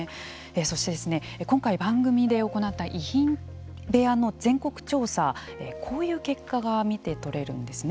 そして、今回、番組で行った遺品部屋の全国調査こういう結果が見て取れるんですね。